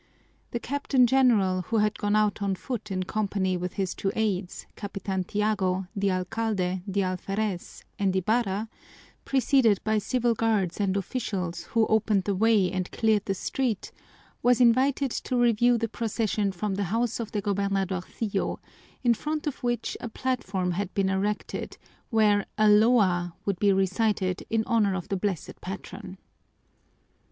The Captain General, who had gone out on foot in company with his two aides, Capitan Tiago, the alcalde, the alferez, and Ibarra, preceded by civil guards and officials who opened the way and cleared the street, was invited to review the procession from the house of the gobernadorcillo, in front of which a platform had been erected where a loa would be recited in honor of the Blessed Patron.